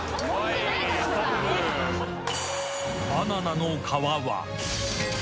［バナナの皮は］